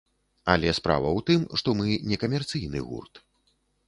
Але справа ў тым, што мы не камерцыйны гурт.